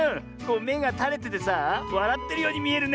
めがたれててさあわらってるようにみえるねこれ。